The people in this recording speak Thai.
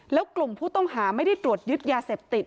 แล้วกลุ่มผู้ต้องหาไม่ได้ตรวจยึดยาเสพติด